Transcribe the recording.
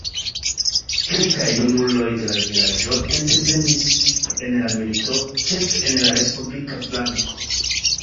Kelkaj junuloj de la vilaĝo intervenis en la milito, ĉefe en la respublika flanko.